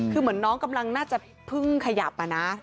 คือเหมือนน้องกำลังน่าจะเพิ่งขยับอะนะ